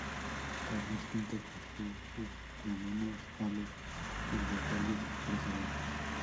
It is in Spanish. Carlos V cogió sus dominios a los feudatarios precedentes.